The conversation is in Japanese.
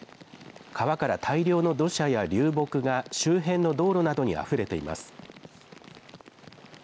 川から大量の土砂や流木が周辺の道路などにあふれています。